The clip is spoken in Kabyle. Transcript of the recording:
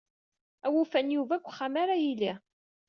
Awufan Yuba deg uxxam ara yili.